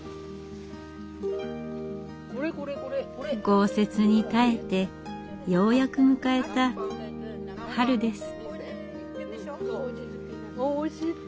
豪雪に耐えてようやく迎えた春です。